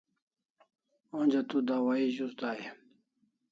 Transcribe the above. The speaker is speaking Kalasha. Onja tu dawahi zus dai e?